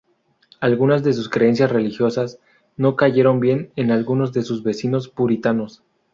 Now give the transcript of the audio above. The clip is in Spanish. Algunas de sus creencias religiosas no cayeron bien en algunos de sus vecinos puritanos.